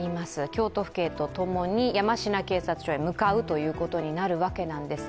京都府警とともに山科警察署へ向かうということになるわけです。